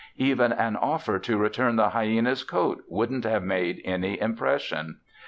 Even an offer to return the hyena's coat wouldn't have made any impression.